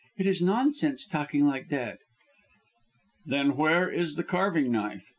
It is nonsense talking like that!" "Then where is the carving knife?